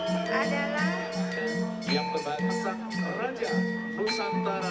adalah yang berbangsa raja pusantara berserta